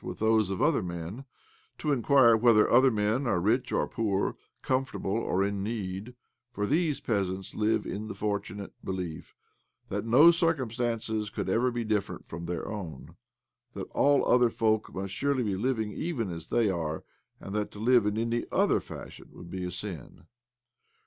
84 OBLOMOV with those of other men — to inquire whether other men are rich or poor^ comfortable or in needj for these peasants live in the for tunate belief that no circumstances could ever be different to their own— that all other folk must surely be living even as they are, and that to live in any other fashion would be a sin.